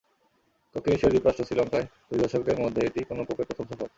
দক্ষিণ এশীয় দ্বীপরাষ্ট্র শ্রীলঙ্কায় দুই দশকের মধ্যে এটিই কোনো পোপের প্রথম সফর।